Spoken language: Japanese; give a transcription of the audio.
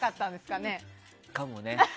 かもね。